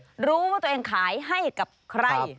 รู้ว่าตัวเองขายให้กับใคร